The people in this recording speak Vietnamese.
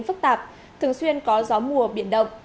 phức tạp thường xuyên có gió mùa biển động